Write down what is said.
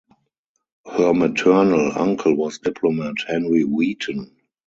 Her maternal uncle was diplomat Henry Wheaton.